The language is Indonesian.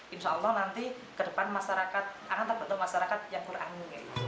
insya allah nanti ke depan masyarakat akan terbentuk masyarakat yang quran